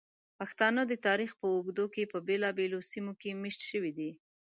پښتانه د تاریخ په اوږدو کې په بېلابېلو سیمو کې میشت شوي دي.